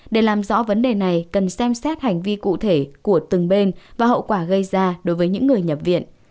để làm rõ vấn đề này cần xem xét hành vi cụ thể của từng bên và hậu quả gây ra đối với những người nhập viện